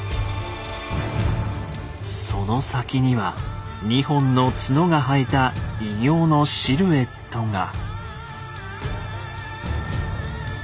その先には２本の角が生えた異形のシルエットが。